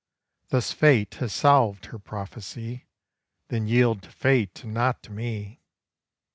Thus Fate has solved her prophecy, Then yield to Fate, and not to me.